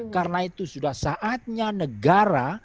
karena itu sudah saatnya negara